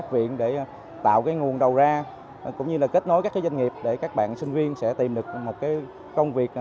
viện để tạo nguồn đầu ra cũng như là kết nối các doanh nghiệp để các bạn sinh viên sẽ tìm được một công việc